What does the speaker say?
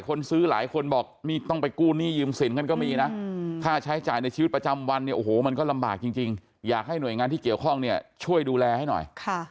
คนซื้อหลายคนบอกนี่ต้องไปกู้หนี้ยืมสินกันก็มีนะค่าใช้จ่ายในชีวิตประจำวันเนี่ยโอ้โหมันก็ลำบากจริงอยากให้หน่วยงานที่เกี่ยวข้องเนี่ยช่วยดูแลให้หน่อย